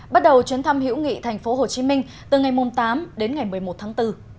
bắt đầu chuyến thăm hữu nghị thành phố hồ chí minh từ ngày tám đến ngày một mươi một tháng bốn